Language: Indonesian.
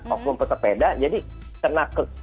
oknum pesepeda jadi kena